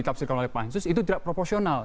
ditafsirkan oleh pansus itu tidak proporsional